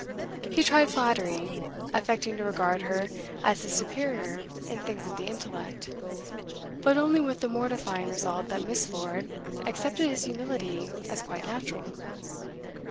He tried flattery, affecting to regard her as his superior in things of the intellect, but only with the mortifying result that Miss. Lord accepted his humility as quite natural.